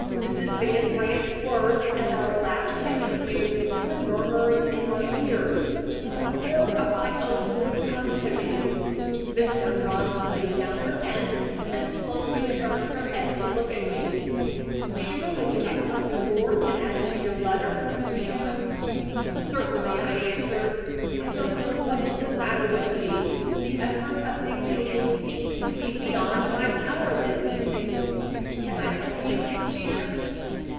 Mrs. Van Brandt's words at our last interview were murmuring in my ears not a word of my own would come to me! Miss Dunross laid down her pen, and slowly turned her head to look at me. "Surely you have something more to add to your letter?" she said. "Certainly," I answered. "I don't know what is the matter with me. The effort of dictating seems to be beyond my power this evening." "Can I help you?" she asked.